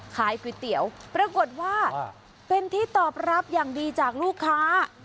ขายก๋วยเตี๋ยวปรากฏว่าเป็นที่ตอบรับอย่างดีจากลูกค้า